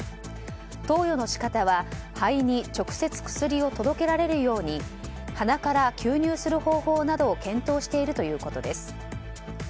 投与の仕方は肺に直接薬を届けられるように鼻から吸入する方法などを検討しているということです。